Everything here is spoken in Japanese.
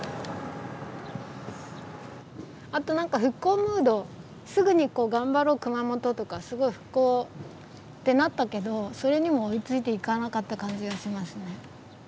あとなんか復興ムードすぐにこう「頑張ろう熊本」とかすごい復興ってなったけどそれにも追いついていかなかった感じがしますね。